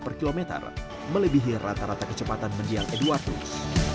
per kilometer melebihi rata rata kecepatan medial edwardus